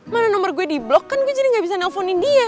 mana nomor gue di blok kan gue jadi gak bisa nelfonin dia